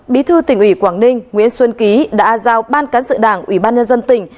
bí thư tỉnh ủy quảng ninh nguyễn xuân ký đã giao ban cán sự đảng ủy ban nhân dân tỉnh